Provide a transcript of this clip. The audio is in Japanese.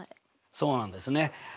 そうなんですね。